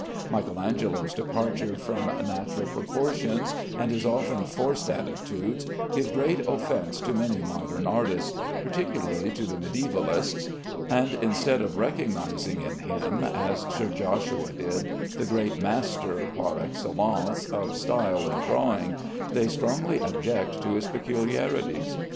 Michael Angelo's departure from natural proportions, and his often forced attitudes, give great offence to many modern artists, particularly to the mediævalists; and instead of recognizing in him (as Sir Joshua did) the great master (par excellence) of style in drawing, they strongly object to his peculiarities.